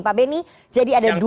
pak benny jadi ada dua belas kasus